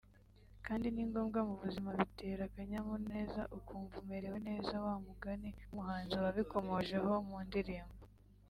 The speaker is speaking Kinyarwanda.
kandi ni ngombwa mu buzima bitera akanyamuneza ukumva umerewe neza wa mugani w’umuhanzi wabikomojeho mu ndirimbo